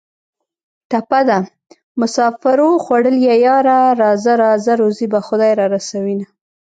ټپه ده: مسافرو خوړلیه یاره راځه راځه روزي به خدای را رسوینه